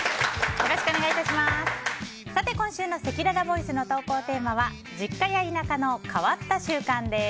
今週のせきららボイスの投稿テーマは実家や田舎の変わった習慣です。